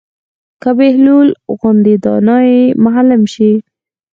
که بهلول غوندې دانا ئې معلم شي